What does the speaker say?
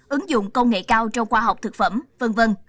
ứng dụng công nghệ cao trong khoa học thực phẩm v v